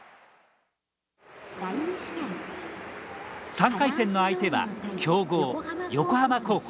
３回戦の相手は強豪・横浜高校。